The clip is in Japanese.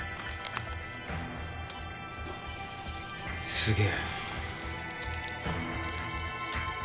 すげえ。